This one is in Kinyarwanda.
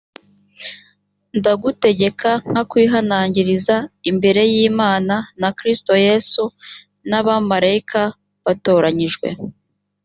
ndagutegeka nkwihanangiriza imbere y imana na kristo yesu n abamarayika batoranyijwe